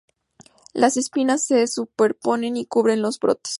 Las espinas se superponen y cubren los brotes.